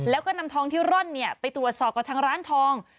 แล้วก็นำทองที่ร่อนไปตรวจสอบกับทางร้านทอง